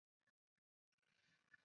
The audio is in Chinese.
在基础建设方面